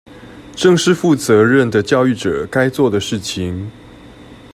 正是負責任的教育者該做的事情